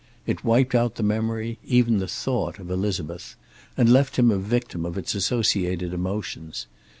It wiped out the memory, even the thought, of Elizabeth, and left him a victim of its associated emotions.